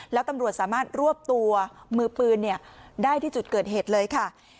แล้วตำรวจสามารถรวบตัวมือปืนได้ที่จุดเกิดเหตุเลยค่ะ